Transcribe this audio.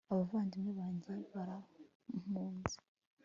abavandimwe banjye barampunze